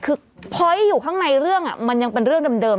คือพอยต์อยู่ข้างในเรื่องมันยังเป็นเรื่องเดิม